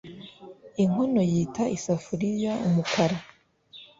inkono yita isafuriya umukara.